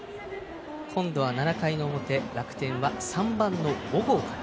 今度は７回の表、楽天は３番の小郷から。